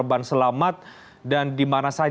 rehnart ada berapa orang saat ini jumlah korban selamat